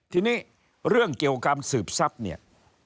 ทีนี้เรื่องเกี่ยวกับสืบทรัพย์เนี่ย